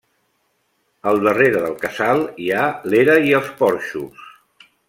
Al darrere del casal hi ha l'era i els porxos.